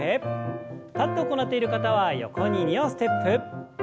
立って行っている方は横に２歩ステップ。